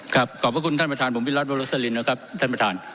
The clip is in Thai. ขอบพระคุณท่านประธานผมวิรัติวรสลินนะครับท่านประธาน